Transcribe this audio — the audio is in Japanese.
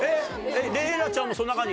レイラちゃんもそんな感じ？